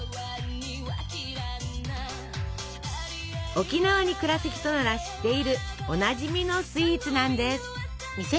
沖縄に暮らす人なら知っているおなじみのスイーツなんです。